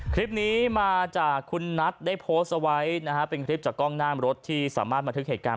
คลิปนี้มาจากคุณนัทได้โพสต์เอาไว้นะฮะเป็นคลิปจากกล้องหน้ามรถที่สามารถบันทึกเหตุการณ์